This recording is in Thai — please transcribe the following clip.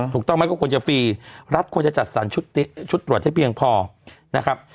ถูกต้องไหมก็ควรจะฟรีรัฐควรจะจัดสรรชุดตรวจให้เพียงพอนะครับ